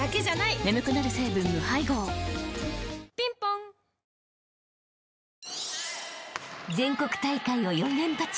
眠くなる成分無配合ぴんぽん［全国大会を４連覇中］